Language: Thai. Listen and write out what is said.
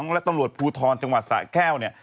และตำรวจภูทรจังหวัดสะแก้วเนี่ย